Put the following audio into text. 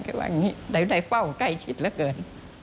ว่าอย่างนี้ได้เฝ้าใกล้ชิดเหลือเกิน